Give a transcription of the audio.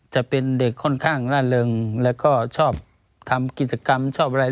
จะเป็นเด็กค่อนข้างล่าเริงแล้วก็ชอบทำกิจกรรมชอบอะไร